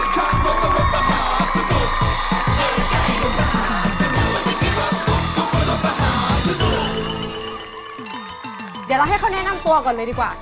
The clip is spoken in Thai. เดี๋ยวเราให้เขาแนะนำตัวก่อนเลยดีกว่า